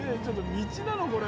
ちょっと道なの？